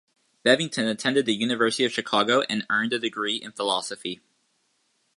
Bevington attended the University of Chicago and earned a degree in philosophy.